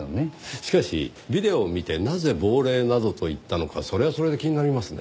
しかしビデオを見てなぜ亡霊などと言ったのかそれはそれで気になりますね。